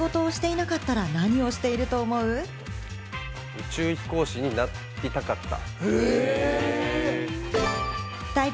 宇宙飛行士になりたかった。